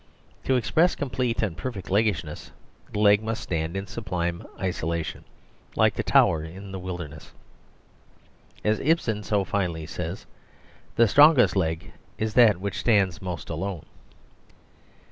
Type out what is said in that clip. To express complete and perfect leggishness the leg must stand in sublime isolation, like the tower in the wilderness. As Ibsen so finely says, the strongest leg is that which stands most alone.